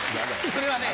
それはね